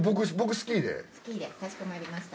スキーでかしこまりました。